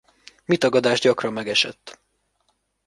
Mi tagadás gyakran megesett.